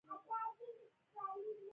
مجاهد د خپل قوم د غیرت سمبول وي.